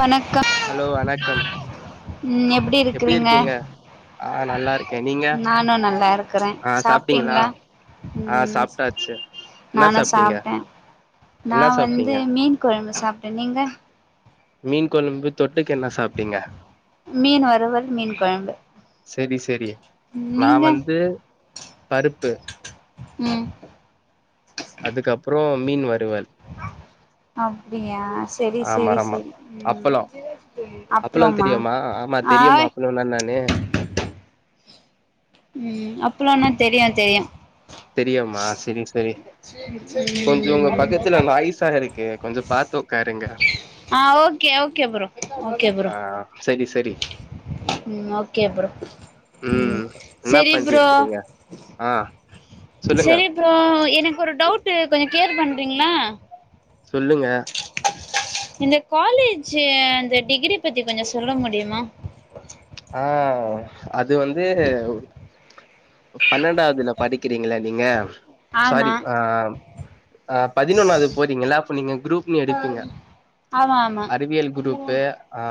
வணக்கம் ஹலோ வணக்கம் ம் எப்டி இருக்கறீங்க ஆ நல்லா இருக்கே நீங்க நானு நல்லாருக்கறே ஆ சாப்ட்டீங்களா சாப்ட்டீங்ளா ஆ ம் சாப்ட்டாச்சு என்ன நானு சாப்ட்டீங்க சாப்ட்டே நா என்ன வந்து சாப்ட்டீங்க மீன் கொழம்பு சாப்ட்டே நீங்க மீன் கொழம்பு தொட்டுக்க என்ன சாப்ட்டீங்க மீன் வறுவல் மீன் கொழம்பு செரி செரி நா நீங்க வந்து பருப்பு ம் அதுக்கப்றோ மீன் வருவல் அப்டியா செரி ஆமா செரி ஆமா செரி ம் அப்பளோ அப்பளோ அப்ளமா தெரியுமா ஆமா தெரியுமா ஆய் அப்பளோன்னா என்னானு ம் அப்பளோன்னா தெரியு தெரியு தெரியுமா செரிங் செரி கொஞ்சோ உங்க ம் பக்கத்துல நாய்ஸா இருக்கு கொஞ்ச பாத்து உக்காருங்க ஆ ஓகே ஓகே ப்ரோ ஓ ஆ ஆ செரி செரி ம் ஓகே ப்ரோ ம் என்ன செரி பண்ணிட்டு ப்ரோ இருக்கிறீங்க ஆ சொல்லுங்க செரி ப்ரோ எனக்கொரு டவுட்டு கொஞ்ச க்ளியர் பண்றீங்ளா சொல்லுங்க இந்த காலேஜு அந்த டிகிரி பத்தி கொஞ்சோ சொல்ல முடியுமா ஆ அது வந்து பன்னெண்டாவ்துல படிக்கிறீங்கல்ல நீங்க ஆமா சாரி ஆ ஆ பதினொன்னாவ்து போறீங்கல்ல அப்ப நீங்க க்ரூப் நீங்க எடுப்பீங்க ஆமா ஆமா அறிவியல் க்ரூப்பு, அ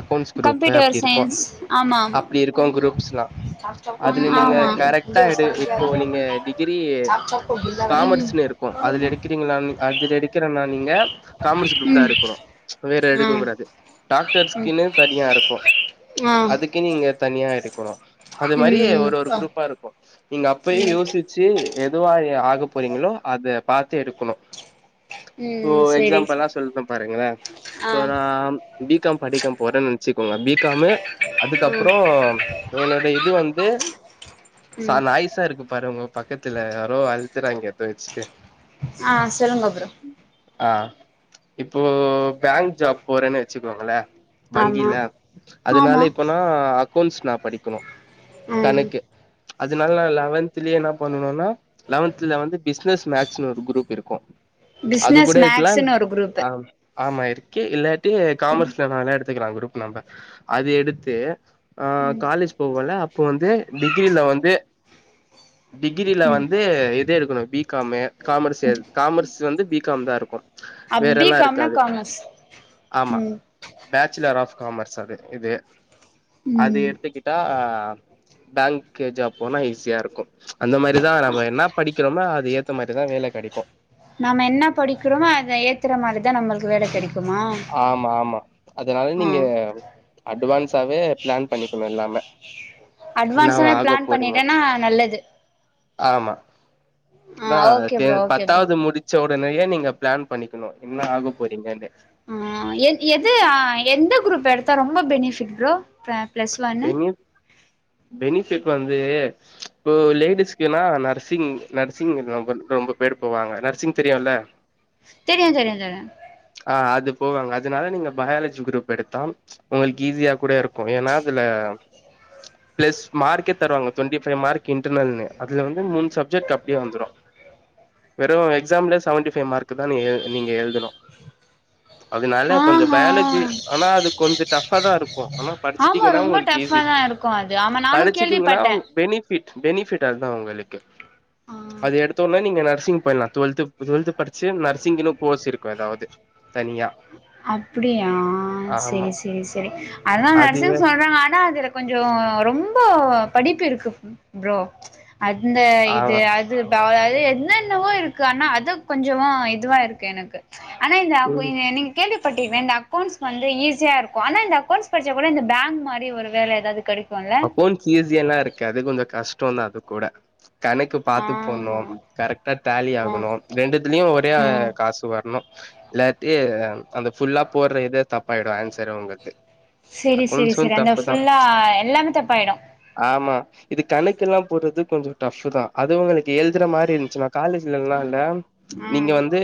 அக்கௌண்ட்ஸ் க்ரூப்பு கம்ப்யூட்டர் இருக்கு சயின்ஸ் ஆமா ஆமா அப்பிடி இருக்கு க்ரூப்ஸ் எல்லா அதுல நீங்க ஆமா கரெக்ட்டா எடு இப்போ நீங்க டிகிரி காமர்ஸ்னுருக் கு அதுல எடுக்றீங்ளான்னு அதுல எடுக்கறன்னா நீங்க காமர்ஸு க்ரூப் ம் தா எடுக்கணு வேற ஆ எடுக்க கூடாது டாக்டர்ஸ்க்குன்னு தனியா இருக்கு ஆ அதுக்கு நீங்க தனியா எடுக்கணு அது மாரி ஒரு ஒரு ஆ ம் க்ரூப்பா இருக்கு நீங்க அப்பயே ம் யோசி ச்சு எதுவா அ ஆக போறீங்களோ அத பாத்து எடுக்கணு போ ம் சரி எக்ஸாம்பிளா சொல்ற பாருங்களே ஆ பறம் பி காம் படிக்கம் போறன் நென்ச்சுக்கோங்க பி காமு ம் அதுக்கப்றோ என்னோட இது வந்து சா ம் நாய்சா இருக்கு பாரு உங்க பக்கத்துல யாரோ அழுத்துறாங்க எதோ வெச்சுட்டு ஆ சொல்லுங்க ப்ரோ ஆ இப்போ பேங்க் ஜாப் போறேன் வெச்சுக்கோங்களே ஆமா வங்கில அதனால ஆமா இப்ப நா அக்கௌன்ஸ் நா படிக்கணு ம் கணக்கு அதனால நா லெவன்த்லயே என்ன பண்ணனுனா லெவன்துல வந்து பிசினஸ் மேக்ஸுன் ஒரு குரூப் இருக்கு அது பிஸ்னஸ் கூட எடுக்லா இல மேக்ஸ்ன்னு ஒரு குரூப்பு ஆம் ஆமா இருக்கு இல்லாட்டி காமர்ஸ்ல வேணா எடுத்துக்கலா குரூப் நம்ப அது எடுத்து ஆ ம் காலேஜ் போவோல்ல அப்போ வந்து டிகிரில வந்து டிகிரில ம் வந்து இது எடுக்கனு பி காமு காமர்ஸ் எடு காமர்ஸ் வந்து பி காம் தா இருக்கும் வேற அப்டி எல்லா காம்னா இருக்காது காமர்ஸ் ம் பேச்சலர் ஆஃப் காமர்ஸ் அது இது அது ம் எடுத்துக்கிட்டா பேங்க்கு ஜாப் போனா ஈஸியாருக்கு அந்த மாரிதா நம்ம என்னா படிக்கிறோமா அது ஏத்த மார் த்துதா வேல கெடைக்கு நாம என்ன படிக்கிறோமோ, அத ஏத்துற மாதிரிதா நம்பள்க்கு வேல கெடைக்குமா ஆமா ஆமா அதனால ஆ நீங்க அட்டுவான்ஸாவே ப்ளான் பண்ணிக்கணு எல்லாமே அட்வான்ஸா என்னாவா ஆக ப்ளான் போறீங்க பண்ணிட்டேன்னா நல்லது ஆமா ஆ ந்தா okay bro ten okay bro பத்தாவ்து முடி ச்ச ஒடனயே நீங்க ப்ளான் பண்ணிக்கணு என்ன ஆக போறீங்கன்னு ஆ எ எது அ எந்த குரூப் எடுத்தா ரொம்ப பெனிஃபிட் ப்ரோ ப்ர பெனிப் பெனிஃபிட் வந்து இப்போ லேடிஸ்க்கினா நர்சிங் நர்சிங் ரொம்ப ரொம்ப பேர் போவாங்க நர்சிங் தெரியுல தெரியு தெரியு தெரியு ஆ அது போவாங்க அதனால நீங்க பயாலஜி குரூப் எடுத்தா உங்களுக் ஈஸியா கூட இருக்கு ஏனா அதுல ப்ளஸ் மார்க்கே தருவாங்க டொண்டிஃபை மார்க் இன்டர்னல்னு அதுல வந்து மூணு சப்ஜெக்ட் அப்டியே வந்துடு வெறு எக்ஸாம்ல செவன்டிஃபை மார்க்குதா நீங்க நீங்க எழ்தணு அதனால கொஞ்சோ ஆஹா பயாலஜி ஆனா அது கொஞ்சோ டஃபாதா இருக்கு ஆனா ஆமா படிச்சிட்டீங்கன்னா ரொம்ப உங்களுக்கு டஃபா ஈஸி தா இருக்கு அது ஆமா நானு படிச்சிட்டீங்கன்னா கேள்விப்பட்டே பெனி ஃபிட் பெனிஃபிட் அதா உங்களுக்கு ஆ அது எடுத்தொன்ன நீங்க நர்சிங் போய்வா டுவெல்த் இப்ப ட்வெல்த் படிச்சு நர்சிங்கின்னு கோர்ஸ் இருக்கு எதாவது தனியா அப்பிடியா ஆமா செரி செரி செரி அதா அதுவே நர்சிங் சொல்றாங்க ஆனா அதுல கொஞ்ச ரொம்போ படிப்பு இருக்கு ப்ரோ அந்த ஆ இது அ து பல அதாவது என்னென்னவோ இருக்கு ஆனா அது கொஞ்சமா இதுவா இருக்கு எனக்கு ஆனா இது அப்போ ம் இது நீங்க கேள்விப்பட்ருக்கே இந்த அக்கௌண்ஸ் வந்து ஈஸிய இருக்கு ஆனா இந்த அக்கௌண்ஸ் படிச்சா கூட இந்த பேங்க் மாரி ஒரு வேலை எதாவ்து கெடைக் அக்கௌண்ஸ் ஈஸியால்லா இருக்காது அது கொஞ்ச கஷ்டோந்தா அது கூட கணக்கு பாத்து போன்னோ ஆஹா கரெக்டா ஆ டேலிஆகணு ரெண்டுத்துலியு ஒரே அ ஆ காசு வர்ணு இல்லாட்டி அந்த ஃபுல்லா போட்ற இதே தப்பாய்டு ஆன்சரே உங்களுக் செரி செரி செரி அந்த ஃபுல்லா எல்லாமே தப்பாயிடு ஆமா இது கணக்குல்லா போட்றது கொஞ்சோ டஃப்பு தா அது உங்களுக்கு எழ்துற மாரி இந்துச்னா காலேஜ்லெல்லால நீங்க ம் வந்து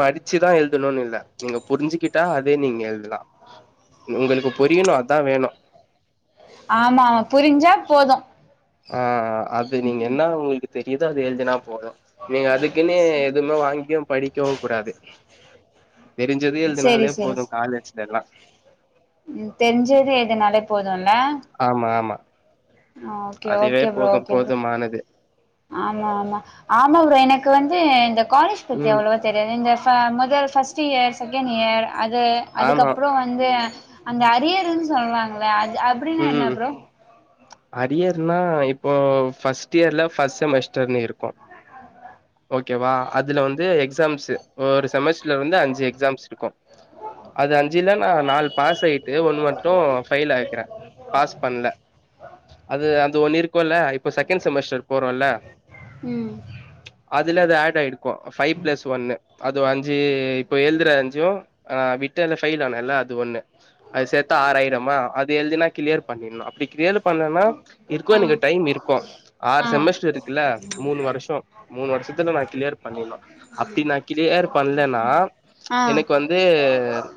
படிச்சுதா எழுதணுன் இல்ல நீங்க புரிஞ்சுக்கிட் டா அதே நீங்க எழுதலா உங்களுக்கு புரியணு அதா வேணு ஆமா புரிஞ்சா போது ஆ அது நீங்க என்ன உங்களுக்கு தெரிதோ அது எழுதுனா போது நீங்க அதுக்குன்னு எதுவுமே வாங்கியு படிக்கவு கூடாது தெரிஞ்சது செரி எழுதுனாலே செரி போது செ காலேஜ்லெல்லா ம் தெரிஞ்சது எதுனாலே போதுல்ல ஆமா ஆமா அ ஓகே அதுவே ஓகே ப்ரோ போது ஓகே ப்ரோ போதுமானது ஆமா ஆமா ஆமா ப்ரோ எனக்கு வந்து இந்த காலேஜ் பத்தி ம் அவ்ளவா தெரியாது இந்த ஃப மொதல் ஃபஸ்டு இயர் சகேன் இயர் அது ஆமா அதுக்கப்றோ வந்து அந்த அரியருன் சொல்லுராங்கள அத் அது அப்டின்னா என்ன ம் ப்ரோ அரியர்னா இப்போ ஃபர்ஸ்ட் இயர்ல ஃபர்ஸ்ட் செமஸ்டர்னு இருக்கு ஓகேவா அதுல வந்து எக்ஸாம்ஸ்சு ஒரு செமஸ்டர்ல வந்து அஞ்சு எக்ஸாம்ஸ்சு இருக்கு அது அஞ்சுல நா நால் பாஸ் ஆயிட்டு ஒன்னு மட்டு ஃபயில் ஆய்க்கிற பாஸ் பண்ல அது அது ஒண்ணு இருக்கோல இப்ப செகண்டு செமஸ்டர் போறோல்ல ம் அதுல அது ஆட் ஆயிருக்கு ஃபைவ் பிளஸ் ஒன்னு அது அஞ்சு இப்ப எழுதுற அஞ்சு ஆ விட்டல ஃபேயில் ஆனேல்ல அது ஒன்னு அது சேத்தா ஆறாயிரமா அது எழுதினா கிளியர் பண்ணிட்ணு அப்டி கிளியர் பண்ணலனா இருக்கு ஆ எனக்கு டைம் இருக்கு ஆறு ஆ செமஸ்டர் இருக்குல்ல மூணு வருஷோ மூணு வருஷத்துல நா கிளியர் பண்ணிணு அப்டி நா கிளியர் பண்ணலன்னா ஆ எனக்கு வந் து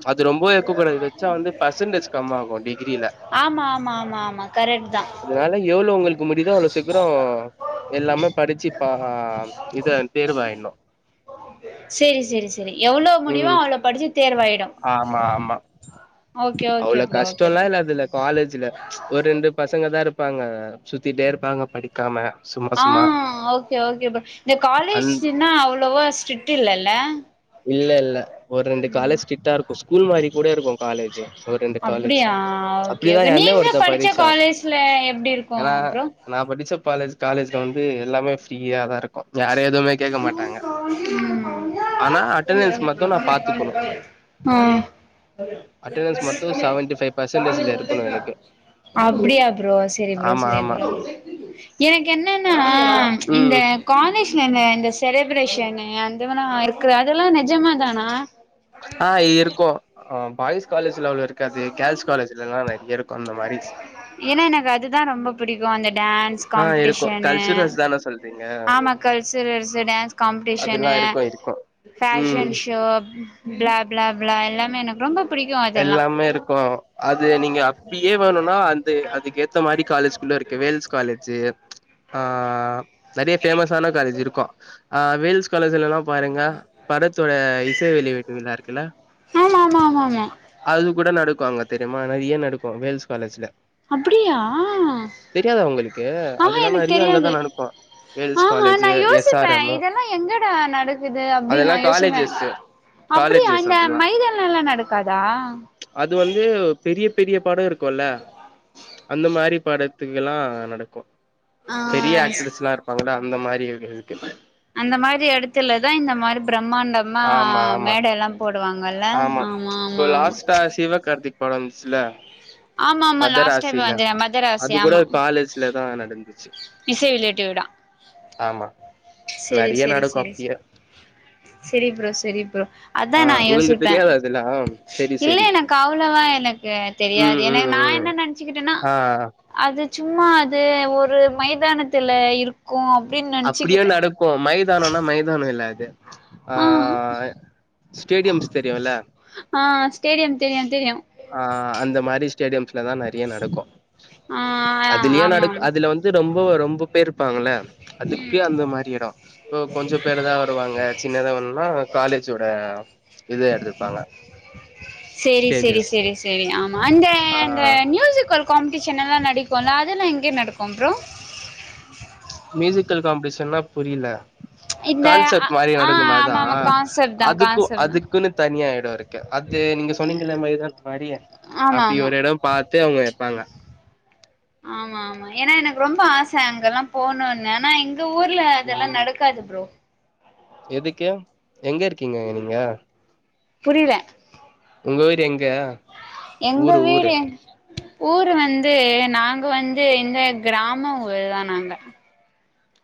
அது ரொம்பவே இருக்கக்கூடாது வச்சா வந்து பர்சன்டேஜ் கம் ஆகும் டிகிரில ஆமா ஆமா ஆமா ஆமா கரெக்ட் தா இதனால எவ்ளோ உங்களுக்கு முடிதோ அவ்ளோ சீக்கரோ எல்லாமே படிச்சு பா இத தேர்வாயிட்ணு செரி செரி செரி எவ்ளோ ம் முடியுமோ அவ்ளோ படிச்சு தேர்வாய்டு ஆமா ஆமா ஓகே அவ்ளோ ப்ரோ ஓகே கஷ்டோல ப்ரோ இல்ல அதுல காலேஜ்ல ஒரு ரெண்டு பசங்க தா இருப்பாங்க சுத்திட்டே இருப்பாங்க படி க்காம சும் ஆ ஓகே ஓகே ப்ரோ இந்த அந் காலேஜ்ன்னா அவ்வளோவா ஸ்ட்ரிட்டு இல்லல்ல இல்ல இல்ல ஒரு ரெண்டு காலேஜ் சிட்டா இருக்கு ஸ்கூல் மாரி கூட இருக்கு காலேஜி ஒரு ரெண்டு காலேஜ் அப்டியா ஓகே அப்டிதா ஓகே எ அண்ணே நீங்க ஒருத்த படிச்ச படிச்சா காலேஜ்ல எப்டி இருக்கு ஏனா ப்ரோ நா படிச்ச பாலேஜ் காலேஜ்ல வந்து எல்லாமே ஃப்ரீயா தா இருக்கு யாரு எதுமே கேட்க மாட்டாங்க ஆனா அட்டெண்டன்ஸ் மட்டு நா பாத்துக்கணு ம் ஆ அட்டெண்டன்ஸ் மட்டு செவன்டி ஃவைவ் பர்சன்டேஜ்ல இருக்கணு எனக்கு அப்டியா ப்ரோ செரி ப்ரோ ஆமா செரி ஆமா ப்ரோ எனக்கு என்னன்னா இந்த ம் காலேஜ்ல இந்த இந்ந டெலிப்ரேஷனு அதுவல்லா இருக்குற அதல்லா நெஜமா தானா ஆ இருக்கோ ஆ பாய்ஸ் காலேஜ்ல அவ்ளோ இருக்காது கேள்ஸ் காலேஜ்ல்லா நெறைய இருக்கு அந்த மாரி எனா எனக்கு அதுதா ரொம்ப புடிக்கு அந்த டேன் ஸ் ஆ இருக்கு காம்படிஷனு கல்ச்சுரல்ஸ் தான சொல்றீங்க ஆமா கல்சுரல்சு டேன்ஸ் அதெல்லா காம்படிஷனு இருக்கு இருக்கு ம் ஃபேஷன் ஷோ ப்லா ப்லா ப்லா எல்லாமே எனக் ரொம்ப புடிக்கு அதெல்லா மே இருக்கு அது நீங்க அப்பியே வேணுன்னா அந்த அதுக்குகேத் இந்த மாரி காலேஜ்குள்ள இருக்கு வேல்ஸ் காலேஜ்சு ஆ நெறைய ஃபேமஸ் ஆன காலேஜ் இருக்கு ஆ வேல்ஸ் காலேஜ்லெல்லா பாருங்க படத்தோட இசை வெளிவீட்டு விழா இருக்குல்ல ஆமா ஆமா ஆமா ஆமா அது கூட நடக்கு அங்க தெரிமா நெறைய நடக்கு வேல்ஸ் காலேஜ்ல அப்பிடியா தெரியாதா உங்களுக்கு ஆஹ அதெல்லா எனக் நெறைய தெரியாது அங்கதா நடக்கு வேல்ஸ் ஆஹ நா காலேஜு எஸ் ஆர் யோசிப்பே எம்மு இதெல்லா எங்கடா நடக்குது அப்டின் அதெல்லா நா யோசிப்ப காலேஜஸ்ஸு அப்பிடியா காலேஜஸ் இந்த அதெல்லா மைதல்லால்லா நடக்காதா அது வந்து பெரிய பெரிய படோ இருக்குல்ல அந்த மாரி பாடத்துக்கெல்லா நடக்கு ஆ பெரிய ஆக்ட்ரஸ்ல்லா இருப்பாங்கல்ல அந்த மாரி இருக்கு இதுக்கு அந்த மாரி எடத்துலதா இந்த மாரி பிரம்மாண்டமா ஆமா ஆமா மேடயெல்லா போடுவாங்கல ஆமா ஆமா ஆமா அ சிவகார்த்திக் படோ வந்ச்சுல்ல ஆமா ஆமா லாஸ்ட் டைம் மதராசினு வந்தனே மதராசி அது கூட ஆமா காலேஜ்லதா நடந்துச்சு இசை வெளியீட்டு விழா ஆமா நெறைய செரி நடக்கு செரி அப்பேயே செரி ப்ரோ செரி ப்ரோ அதா ஆ நா உங்களுக்கு யோசிப்பே தெரியாதா அதெல்லா செரி இல்ல செரி எனக்கு அவ்ளவா எனக்கு தெரியாது ம் எனக்கு ம் நா ம் என்ன நெனச்சுக்கிட்டன்னா ஆ அது சும்மா அது ஒரு மைதானத்துல இருக் அப்டிய நடக்கு மைதானோனா மைதானோ இல்ல அது ஆ ஸ்டேடியம்ஸ் தெரியுல்ல ஆ ஸ்டேடியம் தெரியு தெரியு ஆ அந்த மாரி ஸ்டேடியம்ஸ்லதா நெறைய நடக்கு ஆ ஆமா அதுலேயு ஆமா நடக் அதுல வந் து ரொம்போ ரொம்போ பேர் இருப்பாங்கல்ல அதுக்கே அந்த மாரி எடோ இப்போ கொஞ்சோ பேர்தா வருவாங்க சின்னதா வேணுன்னா காலேஜோட இத எடுத்துப்பாங்க சேரி சேரி ஸ்டேஜஸ் சேரி சேரி ஆமா அந்த ஆ அந்த ம்யூசிகல் காம்ப்டிஷன் எல்லா நடக்குல அதெல்லா எங்க நடக்கு ப்ரோ மியூசிக்கல் காம்படிஷன்னா புரில்ல இந்த ஆ கான்செப்ட் மாரி நடக்குமே அதா ஆமா ஆமா கான்செப்ட் தா அதுக்கு கான்செப்ட் தா அதுக்குன்னு தனியா எடோ இருக்கு அது நீங்க சொன்னீங்கல்ல மைதானோ மாரி ஆமா அப்டி ஆமா ஒரு எடோ பாத்து அவுங்க வெப்பாங்க ஆமா ஆமா ஏனா எனக்கு ரொம்ப ஆச அங்கெல்லா போணூன்னு ஆனா இங் எங்க ஊர்ல அதெல்லா ம் நடக்காது ப்ரோ எதுக்கு எங்க இருக்கீங்க நீங்க புரியல உங்க வீடு எங்க எங்க ஊரு வீடு ஊரு எங் ஊரு வந்து நாங்க வந்து இந்த கிராமோ ஊருதா நாங்க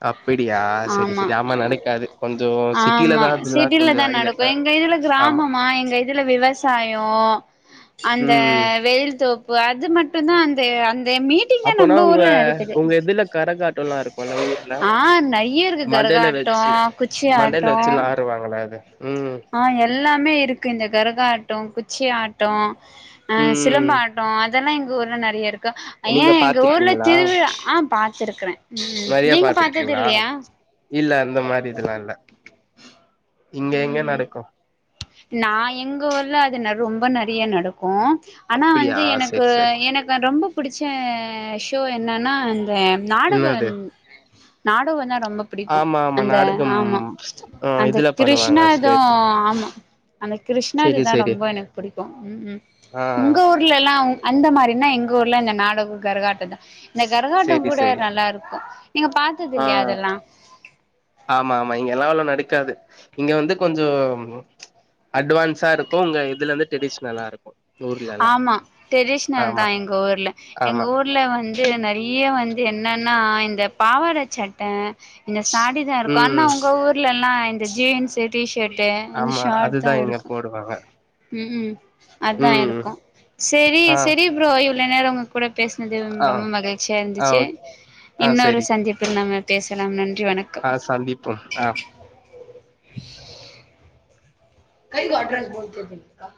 அப்பிடியா செரி செரி ஆமா நடக்காது கொஞ்சோ ஆமா சிட்டிலதா அதுல்லா கொஞ் சிட்டில தா நடக்கு எங்க இதுல கிராமமா எங்க இ துல விவசாயோ அந்த ம் வெயில்தோப் ப்பு அது மட்டுந்தா அந்த அந்த மீப் அப்போனா உங்க உங்க இதுல கரகாட்டோல்லா இருக்குல்ல ஊ ர்ல ஆ நெறைய இருக்கு மண்டேல கரகாட்டோ வச்சு குச்சி மண்டேல ஆட்டோ வச்சு விலாறுவாங்கள அது ம் ஆ எல்லாமே இருக்கு இந்த கரகாட்டோ குச்சி ஆட்டோ அ ம் சிலம்பாட் டோ அதெல்லா எங்க ஊர்ல நெறைய இருக் கு ஏ நீங்க எங்க ஊர்ல பாத்துருக்கீங்களா திருவிழா ஆ பாத்துருக்குற ம் நெறைய நீங்க பாத்திருக்கீங்களா பாத்ததில்லையா இல்ல அந்த மாரி இதெல்லா இல்ல இங்க எங்க ம் நடக்கூ நா எங்க ஊர்ல அது ரொம்ப நறிய நடக்கூ ஆனா அப்டியா வந்து எனக்கு செரி செரி எனக்கு ரொம்ப புடிச்ச ஷோ என்னன்னா இந்த நாடகொ என்னது நாடகோதா ரொம்ப புடிக்கூ ஆமா ஆமா அந்த நாடகம் ஆமா ஆ அந்த இதுல பண்ணுவாங்க கிருஷ்ணாது ஸ்டேஜ் ஆமா த செரி கிருஷ்ணாதுதா செரி ரொம்ப எனக்கு புடிக்கூ ஆ உங்க ஊரு ர்லலா அந்த மாரினா எங்க ஊர்ல இந்த நாடக கரகாட்டொதா இந்த கரகாட்டம் செரி கூட செரி நல்லா இருக்கூ நீங்க பாத்தது ஆ இல்லயா இதெல்லா ஆமா ஆமா இங்கலா அவ்ளோ நடக்காது இங்க வந்து கொஞ்சோ அட்வான்ஸா இருக்கூ உங்க இதுல வந்து ட்ரெடிஷ்னலா இருக்கூ ஆமா ட்ரெடிஷ்னல்தா எங்க ஊர்ல எங்க ஆமா ஊர் ல வந்து நறிய வந்து என்னன்னா இந்த பாவாட சட்ட இந்த சாரீ தா இருக்கூ ஆனா ம் உங்க ஊர்லலா இந்த ஜீன்ஸ் டீ ஷர்ட்டு அந்த ஆமா அதுதா ஷார்ட்தா இங்க இருக்கூ போடுவாங்க ம் அதா ம் இருக்கூ செரி ஆ செரி ப்ரோ இவ்ளோ நேரொ உங்க கூ கூட பேசினது ஆ ரொம்ப மகிழ்ச்சியா ஆ இருந்துச்சு ஓ ஆ இன்னொரு செரி சந்திப் பில் நாம பேசலாம் நன்றி வணக் ஆ சந்திப்போம் ஆ [unintelligible]